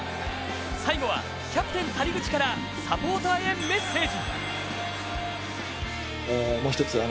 最後は、キャプテン・谷口からサポーターへメッセージ。